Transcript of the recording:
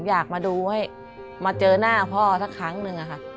อยากมาดูให้มาเจอหน้าพ่อสักครั้งหนึ่งค่ะ